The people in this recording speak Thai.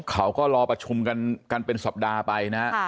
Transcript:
เขาก็รอประชุมกันเป็นสัปดาห์ไปนะฮะ